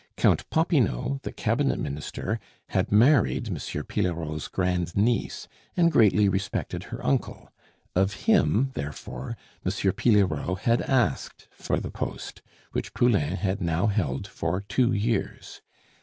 Count Popinot, the cabinet minister, had married M. Pillerault's grand niece, and greatly respected her uncle; of him, therefore, M. Pillerault had asked for the post, which Poulain had now held for two years.